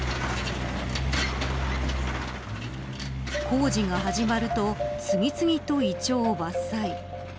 工事が始まると次々とイチョウを伐採。